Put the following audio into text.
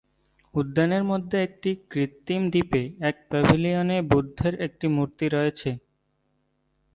উদ্যানের মধ্যে একটি কৃত্রিম দ্বীপে এক প্যাভিলিয়নে বুদ্ধের একটি মূর্তি রয়েছে।